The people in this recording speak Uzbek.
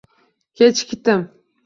Kechikdim.